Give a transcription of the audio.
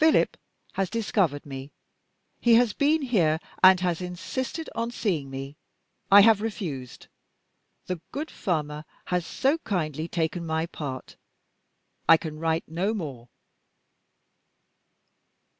"Philip has discovered me. He has been here, and has insisted on seeing me. I have refused. The good farmer has so kindly taken my part. I can write no more."